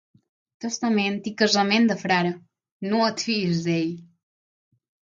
Testament i casament de frare, no et fiïs d'ell.